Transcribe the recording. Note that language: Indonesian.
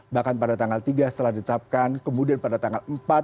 bahkan pada tanggal tiga setelah ditetapkan kemudian pada tanggal empat